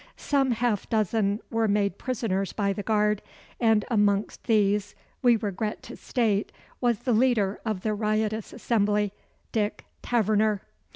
Some half dozen were made prisoners by the guard; and amongst these, we regret to state, was the leader of the riotous assembly, Dick Taverner.